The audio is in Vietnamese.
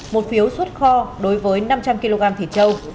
một phiếu xuất kho đối với năm trăm linh kg thịt châu